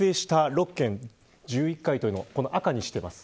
６県１１回というのを赤にしています。